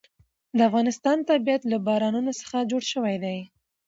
د افغانستان طبیعت له بارانونو څخه جوړ شوی دی.